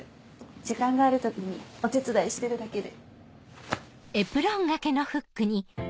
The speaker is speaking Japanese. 時間がある時にお手伝いしてるだけで。